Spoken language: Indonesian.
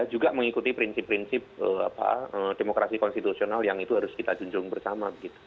juga mengikuti prinsip prinsip demokrasi konstitusional yang itu harus kita junjung bersama